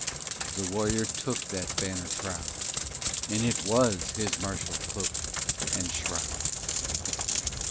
The warrior took that banner proud, And it was his martial cloak and shroud!